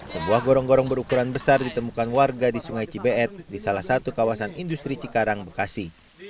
sebuah gorong gorong berukuran besar ditemukan warga di sungai cibeet di salah satu kawasan industri cikarang bekasi